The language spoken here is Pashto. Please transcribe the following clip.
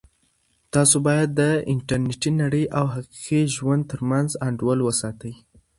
تاسو باید د انټرنیټي نړۍ او حقیقي ژوند ترمنځ انډول وساتئ.